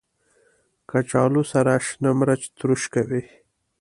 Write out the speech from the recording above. کچالو سره شنه مرچ تروش کوي